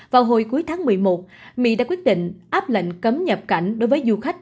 vào hồi cuối tháng một mươi một mỹ đã quyết định áp lệnh cấm nhập cảnh đối với du khách